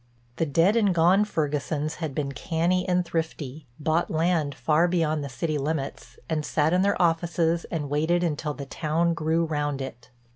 The dead and gone Fergusons had been canny and thrifty, bought land far beyond the city limits and sat in their offices and waited until the town grew round it.